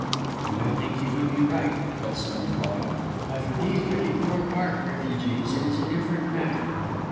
"And I think you would be right," Kelson replied. "But for these really poor Park refugees it is a different matter.